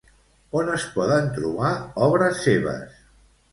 On es poden trobar obres seves?